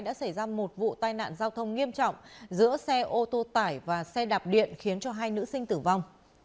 đã xảy ra một vụ tai nạn giao thông nghiêm trọng giữa xe ô tô tải và xe đạp điện khiến cho hai nữ sinh tử vong